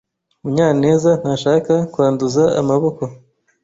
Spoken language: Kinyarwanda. Munyanezntashaka kwanduza amaboko.